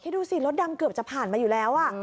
ดูสิรถดำเกือบจะผ่านมาอยู่แล้ว